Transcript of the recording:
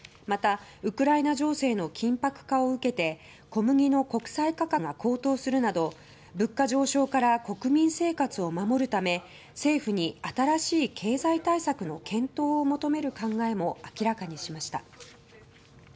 また、ウクライナ情勢の緊迫化を受けて小麦の国際価格が高騰するなど物価上昇から国民生活を守るため政府に新しい経済対策の検討を求める考えも明らかにしました。